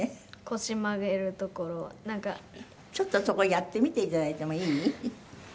ちょっとそこやってみていただいてもいい？